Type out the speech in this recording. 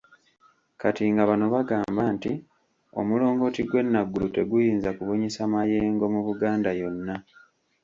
Kati nga bano bagamba nti omulongooti gw’e Naguru teguyinza kubunyisa mayengo mu Buganda yonna.